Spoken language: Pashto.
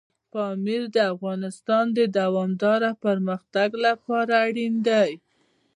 پامیر د افغانستان د دوامداره پرمختګ لپاره اړین دي.